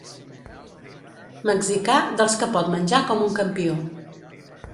Mexicà dels que pot menjar com un campió.